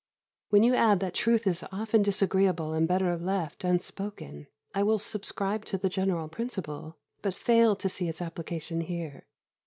When you add that truth is often disagreeable and better left unspoken, I will subscribe to the general principle, but fail to see its application here.